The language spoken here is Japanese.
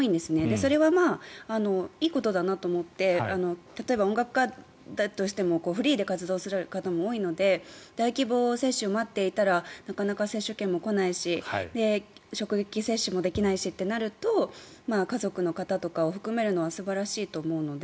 それはいいことだなと思って例えば、音楽家だとしてもフリーで活動する方も多いので大規模接種を待っていたらなかなか接種券も来ないし職域接種もできないしとなると家族の方とかを含めるのは素晴らしいと思うので。